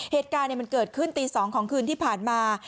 เหตุการณ์มันเกิดขึ้นตี๒ของคืนที่ผ่านมา